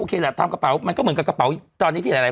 ครับอูไนทำกระเป๋ามันก็เหมือนกับกระเป๋ากับกระเป๋า